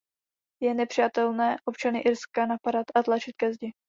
Je nepřijatelné občany Irska napadat a tlačit ke zdi.